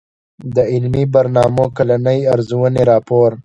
د علمي برنامو کلنۍ ارزوني راپور